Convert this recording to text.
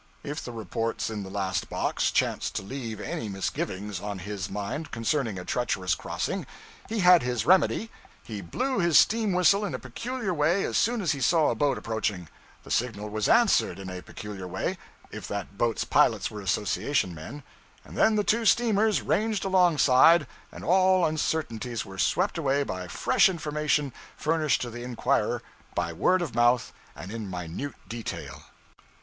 If the reports in the last box chanced to leave any misgivings on his mind concerning a treacherous crossing, he had his remedy; he blew his steam whistle in a peculiar way as soon as he saw a boat approaching; the signal was answered in a peculiar way if that boat's pilots were association men; and then the two steamers ranged alongside and all uncertainties were swept away by fresh information furnished to the inquirer by word of mouth and in minute detail.